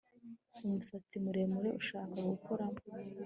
numusatsi muremure ushaka gukuramo